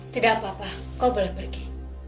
tidak apa apa kau boleh pergi